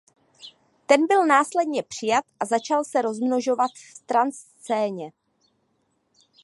Ten byl následně přijat a začal se rozmnožovat v trance scéně.